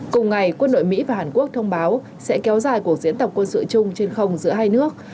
cùng ngày quân đội mỹ và hàn quốc thông báo sẽ kéo dài cuộc diễn tập quân sự chung trên không giữa hai nước